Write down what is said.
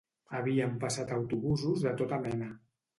Havien passat autobusos de tota mena.